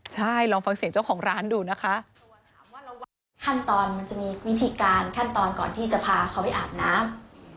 ใช่ลองฟังเสียงเจ้าของร้านดูนะคะขั้นตอนมันจะมีวิธีการขั้นตอนก่อนที่จะพาเขาไปอาบน้ำ